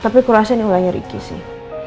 tapi kurasa ini udah nyarik sih